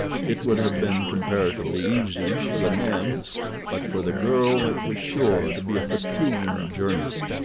It would have been comparatively easy for the men, but for the girl it was sure to be a fatiguing journey.